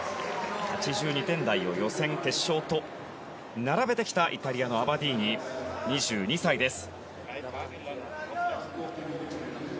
８２点台を予選、決勝と並べてきたイタリアのアバディーニ２２歳です。